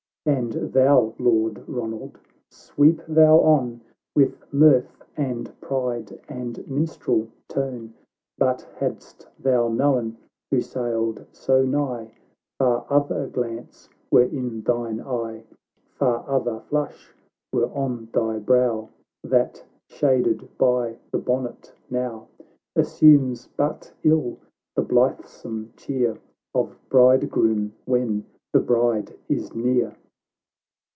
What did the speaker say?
And thou, Lord Eonald, sweep thou on, With mirth and pride and minstrel tone ! But hadst thou known who sailed so nigh, Far other glance were in thine eye ! I'ar other flush were on thy brow, That, shaded by the bonnet, now Assumes but ill the blithesome cheer Of bridegroom when the bride is near